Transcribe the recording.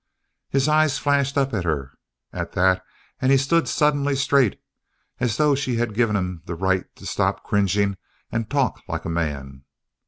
His eyes flashed up at her, at that, and he stood suddenly straight as though she had given him the right to stop cringing and talk like a man.